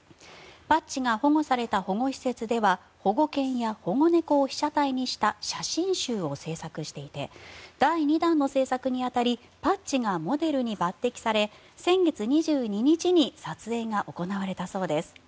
パッチが保護された保護施設では保護犬や保護猫を被写体にした写真集を制作していて第２弾の制作に当たりパッチがモデルに抜てきされ先月２２日に撮影が行われたそうです。